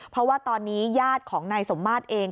เพราะว่าตอนนี้ญาติของนายสมมาตรเอง